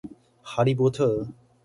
哈利波特